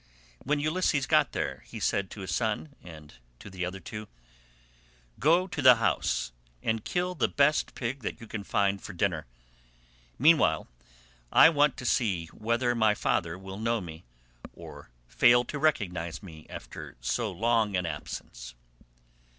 When Ulysses got there, he said to his son and to the other two: "Go to the house, and kill the best pig that you can find for dinner. Meanwhile I want to see whether my father will know me, or fail to recognise me after so long an absence."